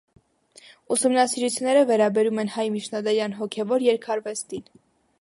Ուսումնասիրությունները վերաբերում են հայ միջնադարյան հոգևոր երգարվեստին։